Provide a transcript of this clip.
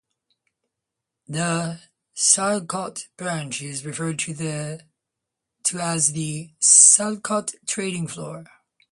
The Sialkot branch is referred to as the "Sialkot Trading Floor".